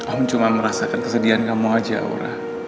aku cuma merasakan kesedihan kamu aja aura